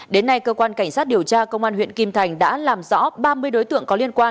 đến nay cơ quan cảnh sát điều tra công an huyện kim thành đã làm rõ ba mươi đối tượng